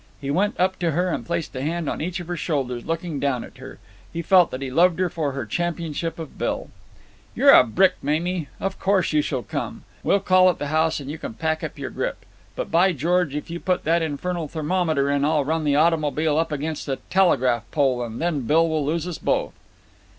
He went up to her and placed a hand on each of her shoulders, looking down at her. He felt that he loved her for her championship of Bill. "You're a brick, Mamie. Of course you shall come. We'll call at the house and you can pack your grip. But, by George, if you put that infernal thermometer in I'll run the automobile up against a telegraph pole, and then Bill will lose us both."